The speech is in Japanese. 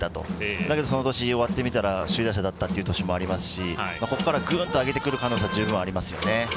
だけど、その年終わってみたら首位打者だったという年もありますし、ここからグッと上げてくる可能性十分ありますね。